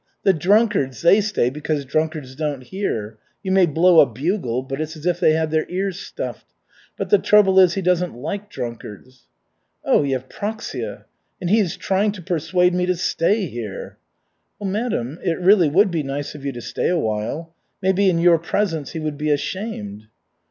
The drunkards they stay because drunkards don't hear. You may blow a bugle, but it's as if they had their ears stuffed. But the trouble is, he doesn't like drunkards." "Oh, Yevpraksia, and he is trying to persuade me to stay here." "Well, madam, it really would be nice of you to stay a while. Maybe in your presence he would be ashamed."